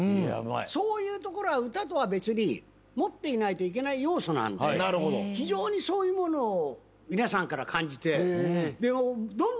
そういうところは歌とは別に持っていないといけない要素なんで非常にそういうものを皆さんから感じて。